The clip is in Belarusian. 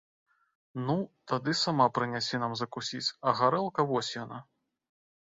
Ну, тады сама прынясі нам закусіць, а гарэлка вось яна.